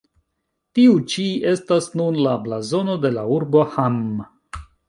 Tiu ĉi estas nun la blazono de la urbo Hamm.